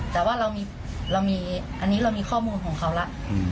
แต่ว่าเรามีข้อมูลของเขาแล้ว